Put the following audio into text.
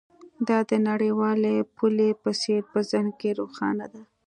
دا د نړیوالې پولې په څیر په ذهن کې روښانه ده